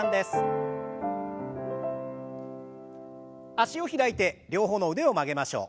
脚を開いて両方の腕を曲げましょう。